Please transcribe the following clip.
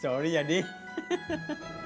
sorry ya dik